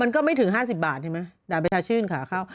มันก็ไม่ถึง๕๐บาทเลยดังขาชื่นขาเข้า